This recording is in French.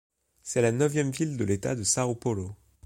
C'est la neuvième ville de l'État de São Paulo.